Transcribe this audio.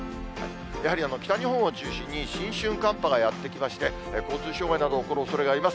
やはり北日本を中心に、新春寒波がやって来まして、交通障害など起こるおそれがあります。